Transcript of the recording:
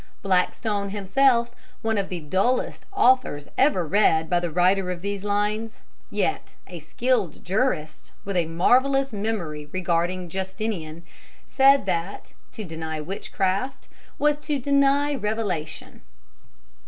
Blackstone himself, one of the dullest authors ever read by the writer of these lines, yet a skilled jurist, with a marvellous memory regarding Justinian, said that, to deny witchcraft was to deny revelation.